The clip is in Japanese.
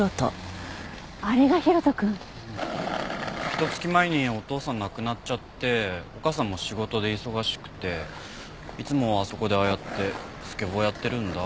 ひと月前にお父さん亡くなっちゃってお母さんも仕事で忙しくていつもあそこでああやってスケボーやってるんだ。